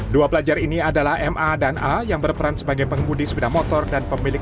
dua pelajar ini adalah ma dan a yang berperan sebagai pengemudi sepeda motor dan pemilik